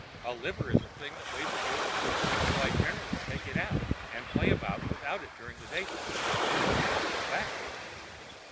A liver is a thing that weighs a good deal, so I generally take it out, and play about without it during the daytime. We must go back for it."